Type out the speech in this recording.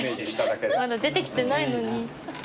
まだ出てきてないのに。